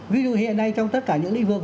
ví dụ hiện nay trong tất cả những lĩnh vực